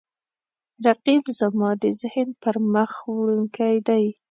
رقیب زما د ذهن پرمخ وړونکی دی